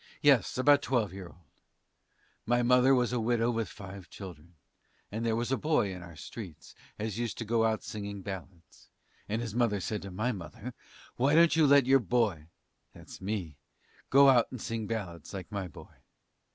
Yes, about 12 year old; my mother was a widow with five children, and there was a boy in our street as used to go out singing ballads, and his mother said to my mother, 'Why don't you let your boy (that's me) go out and sing ballads like my boy.